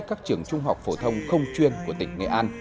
các trường trung học phổ thông không chuyên của tỉnh nghệ an